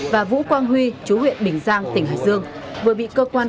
và vũ quang huy chú huyện bình giang tỉnh hải dương vừa bị cơ quan